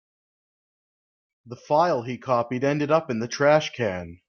The file he copied ended up in the trash can.